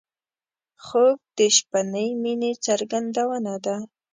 خوب د شپهنۍ مینې څرګندونه ده